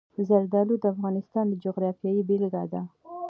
زردالو د افغانستان د جغرافیې بېلګه ده.